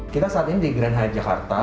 kita saat ini di grand h jakarta